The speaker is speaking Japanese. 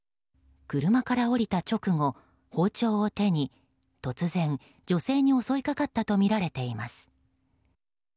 車から降りた直後、包丁を手に突然、女性に襲いかかったとみられています。